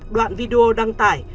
đoạn video đăng tải